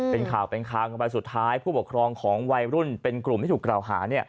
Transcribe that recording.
เป็นข่าวเป็นคางกันไปสุดท้ายผู้ปกครองของวัยรุ่นเป็นกลุ่มที่ถูกกล่าวหา